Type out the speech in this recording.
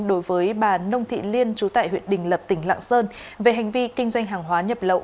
đối với bà nông thị liên trú tại huyện đình lập tỉnh lạng sơn về hành vi kinh doanh hàng hóa nhập lậu